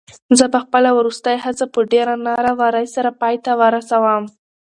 زه به خپله وروستۍ هڅه په ډېرې نره ورۍ سره پای ته ورسوم.